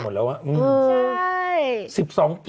หมดแล้วอะอืมใช่